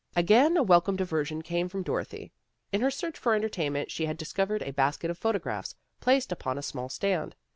Again a welcome diversion came from Doro thy. In her search for entertainment she had discovered a basket of photographs, placed upon a small stand.